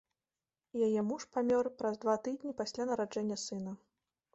Яе муж памёр праз два тыдні пасля нараджэння сына.